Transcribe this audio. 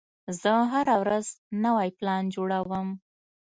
زه هره ورځ نوی پلان جوړوم.